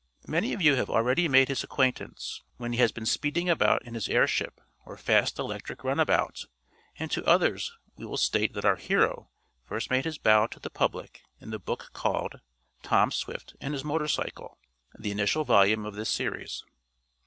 Many of you have already made his acquaintance, when he has been speeding about in his airship or fast electric runabout, and to others we will state that our hero first made his bow to the public in the book called "Tom Swift and His Motor Cycle," the initial volume of this series.